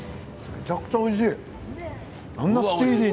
めちゃくちゃおいしい。